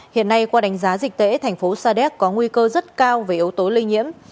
hiện nay qua đánh giá dịch tễ thành phố sa đéc có nguy cơ rất cao về yếu tố lây nhiễm